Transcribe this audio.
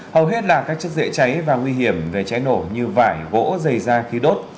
hầu hết là các chất dễ cháy và nguy hiểm về cháy nổ như vải gỗ dày da khí đốt